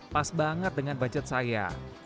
pas banget dengan budget saya